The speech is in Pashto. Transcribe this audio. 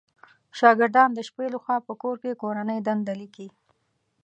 شاګردان د شپې لخوا په کور کې کورنۍ دنده ليکئ